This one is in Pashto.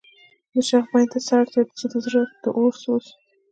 د شوق بیان ته څه اړتیا چې د زړه د اور سوز.